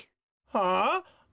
はあ？